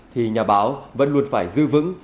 thì nhà báo vẫn luôn phải giữ vững